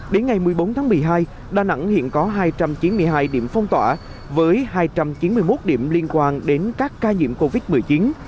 đến ngày một mươi bốn tháng một mươi hai đà nẵng hiện có hai trăm chín mươi hai điểm phong tỏa với hai trăm chín mươi một điểm liên quan đến các ca nhiễm covid một mươi chín